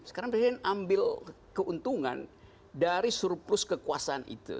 sekarang presiden ambil keuntungan dari surplus kekuasaan itu